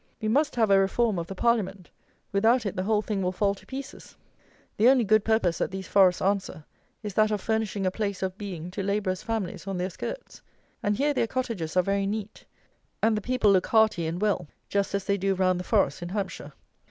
We must have a reform of the Parliament: without it the whole thing will fall to pieces. The only good purpose that these forests answer is that of furnishing a place of being to labourers' families on their skirts; and here their cottages are very neat, and the people look hearty and well, just as they do round the forests in Hampshire.